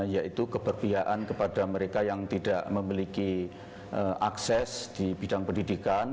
yaitu keberpihakan kepada mereka yang tidak memiliki akses di bidang pendidikan